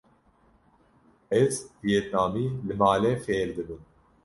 Ez viyetnamî li malê fêr dibim.